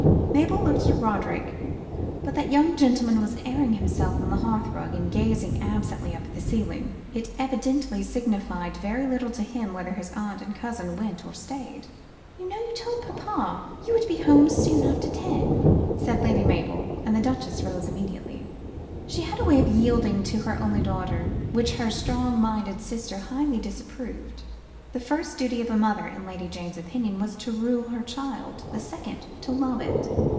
Mabel looked at Roderick, but that young gentleman was airing himself on the hearth rug, and gazing absently up at the ceiling. It evidently signified very little to him whether his aunt and cousin went or stayed. "You know you told papa you would be home soon after ten," said Lady Mabel, and the Duchess rose immediately. She had a way of yielding to her only daughter which her stronger minded sister highly disapproved. The first duty of a mother, in Lady Jane's opinion, was to rule her child, the second, to love it.